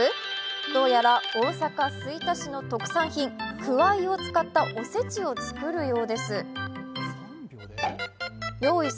どうやら大阪・吹田市の特産品、くわいを使ったお節を作るようです。